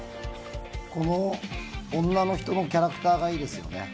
この女の人のキャラクターがいいですよね。